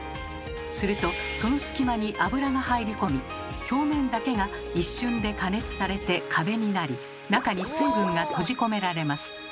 するとその隙間に油が入り込み表面だけが一瞬で加熱されて壁になり中に水分が閉じ込められます。